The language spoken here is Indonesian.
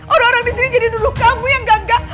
orang orang di sini jadi duduk kamu yang gagah